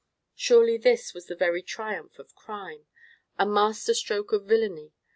Surely this was the very triumph of crime, a master stroke of villany.